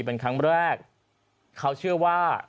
เป็นครั้งแรกเขาเชื่อว่า